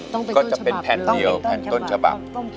ต้องเป็นต้นฉบับจริงต้องเป็นต้นฉบับ